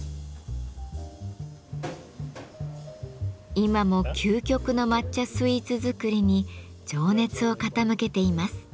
今も究極の抹茶スイーツ作りに情熱を傾けています。